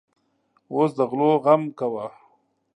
اوس د غلو غم کوه.